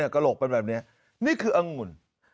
กระโหลกเป็นแบบนี้นี่คืออังุ่น